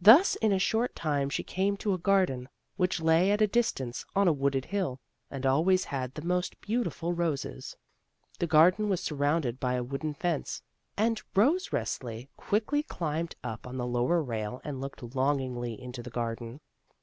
Thus in a short time she came to a garden, which lay at a distance, on a wooded hill, and always had the most beautiful roses. The garden was surrounded by a wooden fence, and Rose Resli 12 THE ROSE CHILD quickly climbed up on the lower rail and looked longingly into the garden.